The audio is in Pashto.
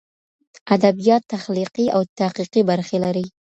ادبیات تخلیقي او تحقیقي برخې لري.